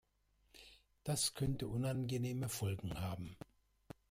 Das könnte unangenehme Folgen haben.